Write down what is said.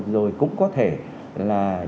rồi cũng có thể là